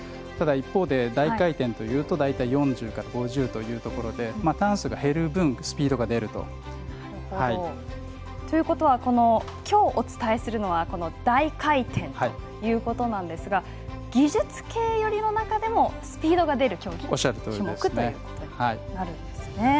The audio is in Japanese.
ただ一方で大回転というと大体４０から５０ということでターン数が減る分スピードが出ると。ということは今日お伝えするのはこの大回転ということなんですが技術系寄り中でもスピードが出る種目ということになるんですね。